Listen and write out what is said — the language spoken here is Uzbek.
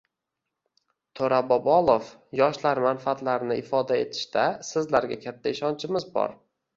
To‘ra Bobolov: “Yoshlar manfaatlarini ifoda etishda sizlarga katta ishonchimiz bor”